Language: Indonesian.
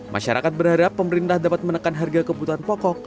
masyarakat berharap pemerintah dapat menekan harga kebutuhan pokok